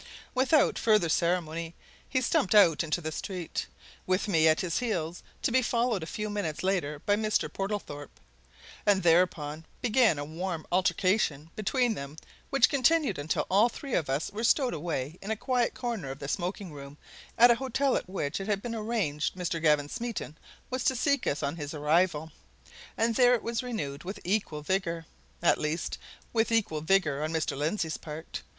Without further ceremony he stumped out into the street, with me at his heels, to be followed a few minutes later by Mr. Portlethorpe. And thereupon began a warm altercation between them which continued until all three of us were stowed away in a quiet corner of the smoking room in the hotel at which it had been arranged Mr. Gavin Smeaton was to seek us on his arrival and there it was renewed with equal vigour; at least, with equal vigour on Mr. Lindsey's part.